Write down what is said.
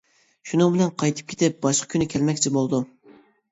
شۇنىڭ بىلەن قايتىپ كېتىپ، باشقا كۈنى كەلمەكچى بولدۇم.